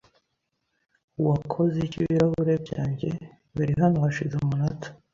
Wakoze iki ibirahuri byanjye? Bari hano hashize umunota .